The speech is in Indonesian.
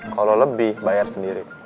kalo lebih bayar sendiri